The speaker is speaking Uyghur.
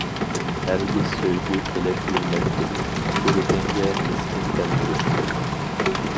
ھەرگىز سۆيگۈ تىلەپ يۈرمەيتتىم، سۈرىتىڭگە مىسكىن تەلمۈرۈپ.